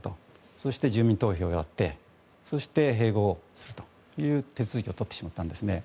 そして、住民投票をやって併合をするという手続きを取ってしまったんですね。